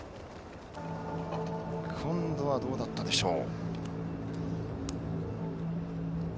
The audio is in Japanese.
今度はどうだったでしょう。